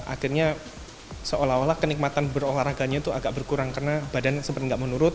akhirnya seolah olah kenikmatan berolahraganya tuh agak berkurang karena badan sebenarnya enggak menurut